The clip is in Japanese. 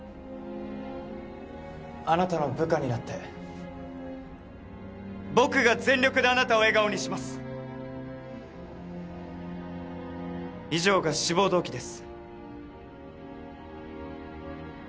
あなたの部下になって僕が全力であなたを笑顔にします以上が志望動機です